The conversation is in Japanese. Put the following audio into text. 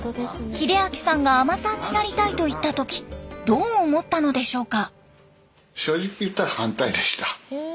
秀明さんが海人さんになりたいと言った時どう思ったのでしょうか？